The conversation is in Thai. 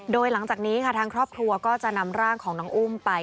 โดยหลังจากนี้ค่ะทางครอบครัวก็จะนำร่างของน้องอุ้มไป